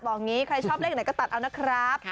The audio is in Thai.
อย่างนี้ใครชอบเลขไหนก็ตัดเอานะครับ